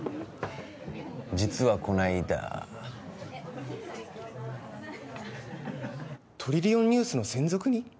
実はこないだ「トリリオンニュース」の専属に？